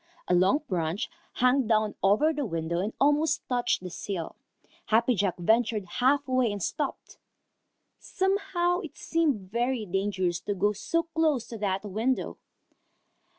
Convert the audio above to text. A long branch hung down over the window and almost touched the sill. Happy Jack ventured half way and stopped. Somehow it seemed very dangerous to go so close to that window.